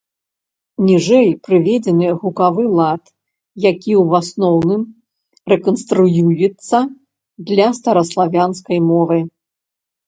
Ніжэй прыведзены гукавы лад, які ў асноўным рэканструюецца для стараславянскай мовы.